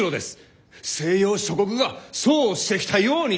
西洋諸国がそうしてきたように！